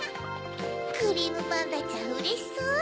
クリームパンダちゃんうれしそう。